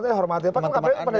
semata dan mestama